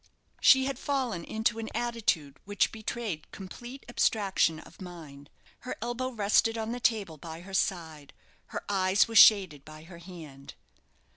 She had fallen into an attitude which betrayed complete abstraction of mind. Her elbow rested on the table by her side; her eyes were shaded by her hand.